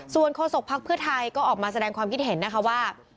ส่วนโฆษกภักดิ์เพื่อไทยก็ออกมาแสดงความคิดเห็นนะคะว่า